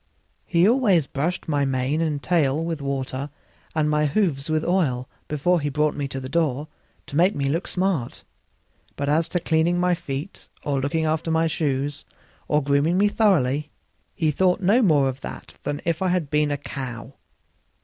He always brushed my mane and tail with water and my hoofs with oil before he brought me to the door, to make me look smart; but as to cleaning my feet or looking to my shoes, or grooming me thoroughly, he thought no more of that than if I had been a cow.